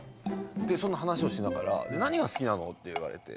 そんな話をしながら「何が好きなの？」って言われて。